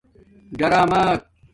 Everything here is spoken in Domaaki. ڈآرماک